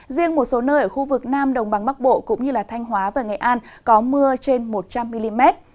riêng một số nơi ở khu vực nam đồng bằng bắc bộ cũng như thanh hóa và nghệ an có mưa trên một trăm linh mm